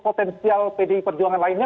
potensial pdi perjuangan lainnya